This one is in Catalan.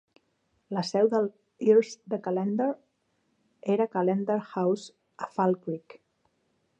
La seu dels Earls de Callendar era Callendar House a Falkirk.